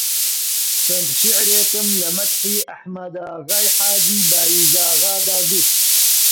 چەند شیعرێکم لە مەدحی ئەحمەداغای حاجی بایزاغادا گوت